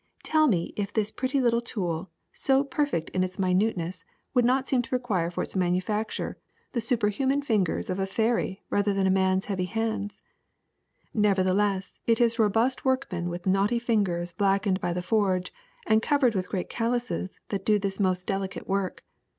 Tell me if this pretty little tool, so perfect in its minuteness, would not seem to require for its manu facture the superhuman fingers of a fairy rather than man's heavy hands. Nevertheless it is robust workmen with knotty fingers blackened by the forge and covered with great calluses that do this most delicate work.